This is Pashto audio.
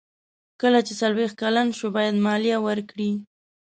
کله چې څلویښت کلن شو باید مالیه ورکړي.